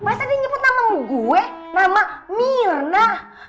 masa dia nyebut nama gue nama mirna